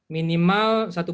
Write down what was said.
minimal satu lima tahun